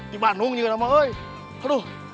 di bandung juga namanya